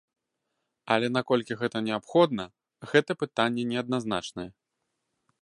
Але наколькі гэта неабходна, гэта пытанне неадназначнае.